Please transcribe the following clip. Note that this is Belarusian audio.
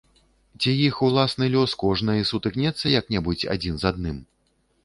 Ці іх уласны лёс, кожнай, сутыкнецца як-небудзь адзін з адным?